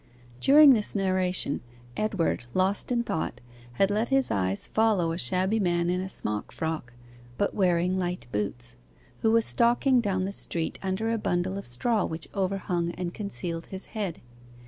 During this narration, Edward, lost in thought, had let his eyes follow a shabby man in a smock frock, but wearing light boots who was stalking down the street under a bundle of straw which overhung and concealed his head.